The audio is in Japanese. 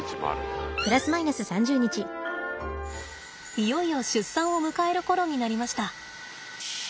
いよいよ出産を迎える頃になりました。